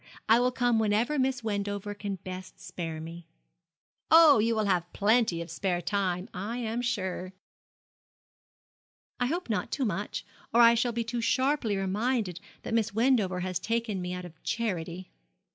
I will come whenever Miss Wendover can best spare me.' 'Oh, you will have plenty of spare time, I am sure.' 'I hope not too much, or I shall be too sharply reminded that Miss Wendover has taken me out of charity.'